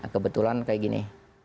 kebetulan kayak gini